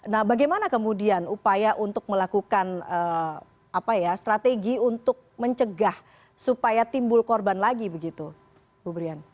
nah bagaimana kemudian upaya untuk melakukan strategi untuk mencegah supaya timbul korban lagi begitu bu brian